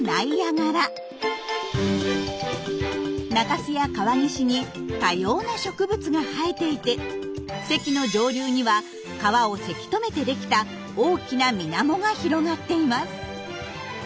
中州や川岸に多様な植物が生えていて堰の上流には川をせき止めてできた大きな水面が広がっています。